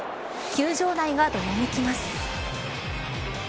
球場内は、どよめきます。